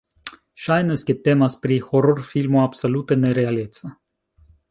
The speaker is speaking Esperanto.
Ŝajnas, ke temas pri hororfilmo absolute ne-realeca.